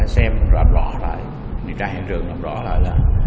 xem rõ rõ lại